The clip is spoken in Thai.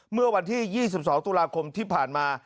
เมื่อวันที่๒๒ตุลาคมที่ผ่านมา